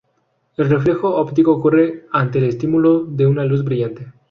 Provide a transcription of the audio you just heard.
El reflejo óptico ocurre ante el estímulo de una luz brillante.